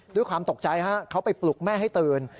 ด้วยความตกใจฮะเขาไปปลุกแม่ให้ตื่น